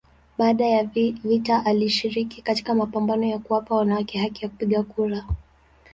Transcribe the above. Baada ya vita alishiriki katika mapambano ya kuwapa wanawake haki ya kupiga kura.